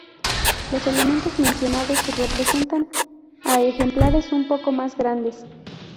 Los elementos mencionados representan a ejemplares un poco más grandes.